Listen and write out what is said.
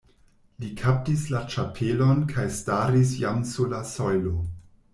Li kaptis la ĉapelon kaj staris jam sur la sojlo.